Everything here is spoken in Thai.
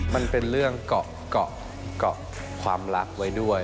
มันเป็นเรื่องเกาะเกาะความรักไว้ด้วย